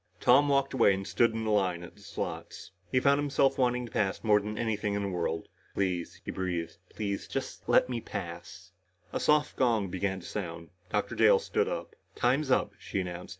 Tom walked away and stood in the line at the slots. He found himself wanting to pass more than anything in the world. "Please," he breathed, "please, just let me pass " A soft gong began to sound. Dr. Dale stood up. "Time's up," she announced.